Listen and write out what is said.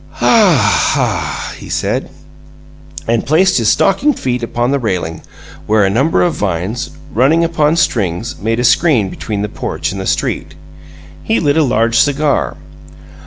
"Hah AH!" he said, and placed his stockinged feet upon the railing, where a number of vines, running upon strings, made a screen between the porch and the street. He lit a large cigar.